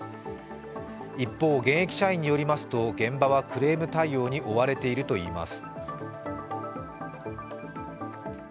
一方、現役社員によりますと現場はクレーム対応に追われているといいます。